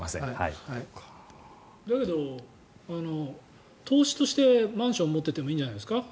だけど投資としてマンションを持っていてもいいんじゃないですか。